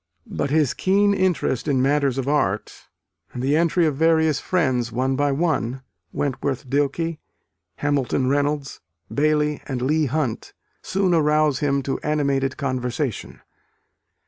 But his keen interest in matters of art, and the entry of various friends one by one Wentworth Dilke, Hamilton Reynolds, Bailey and Leigh Hunt soon arouse him to animated conversation.